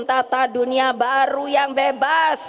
tata dunia baru yang bebas